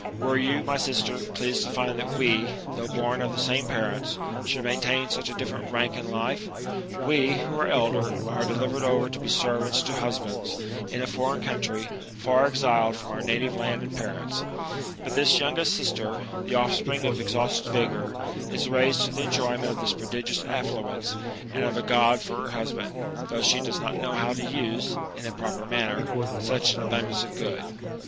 Were you, my sister, pleased to find that we, though born of the same parents, should maintain such a different rank in life ? We, who are elder, are delivered over to be servants to huslKinds, in a foreign country, far exiled from our natite land and parents ; but this youngest sister, the offspring of exhausted vigour, is raised to the enjoyment of this prodigious affluence, and of a God for her husband, though she does not know how to use, in a proper manner, such an abundance of good.